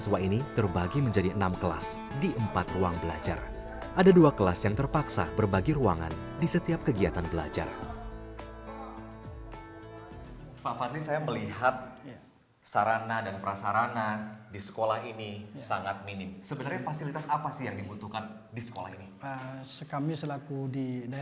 untuk mendukung belajar mengajar anak atau siswa di sini